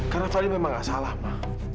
karena fadil memang nggak salah ma